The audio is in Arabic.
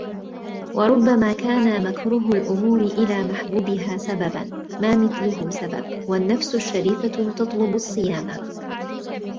وَرُبَّمَا كَانَ مَكْرُوهُ الْأُمُورِ إلَى مَحْبُوبِهَا سَبَبًا مَا مِثْلُهُ سَبَبُ وَالنَّفْسُ الشَّرِيفَةُ تَطْلُبُ الصِّيَانَةَ